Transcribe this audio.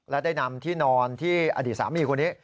และได้นำที่นอนที่อดีตสามีคนนี้